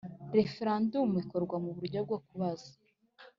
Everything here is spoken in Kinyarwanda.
Referendumu ikorwa mu buryo bwo kubaza